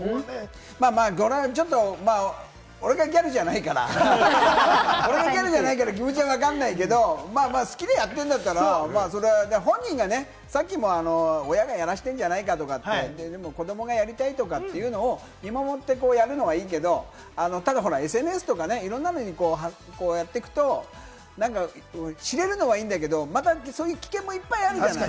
これはちょっと、俺がギャルじゃないから、気持ちはわからないけれども、まあまあ好きでやってるんだったら、それは本人がね、さっきも親がやらせてるんじゃないかとかって、子どもがやりたいとかというのを見守ってやるのはいいけれども、ただＳＮＳとかいろんなのをやっていくと、知れるのはいいんだけど、またそういう危険もいっぱいあるじゃない。